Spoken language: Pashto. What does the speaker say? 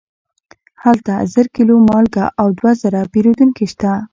هلته زر کیلو مالګه او دوه زره پیرودونکي شته.